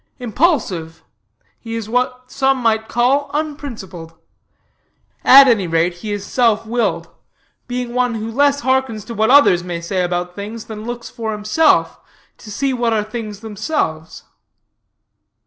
Impulsive, he is what some might call unprincipled. At any rate, he is self willed; being one who less hearkens to what others may say about things, than looks for himself, to see what are things themselves.